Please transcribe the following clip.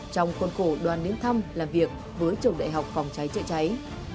trong khuôn khổ đoàn đến thăm làm việc với trường đại học phòng cháy chữa cháy